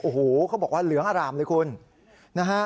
โอ้โหเขาบอกว่าเหลืองอร่ามเลยคุณนะฮะ